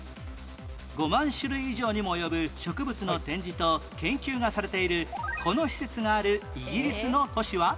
５万種類以上にも及ぶ植物の展示と研究がされているこの施設があるイギリスの都市は？